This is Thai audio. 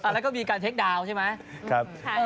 แล้วก็มีการเทคดาวน์ใช่ไหม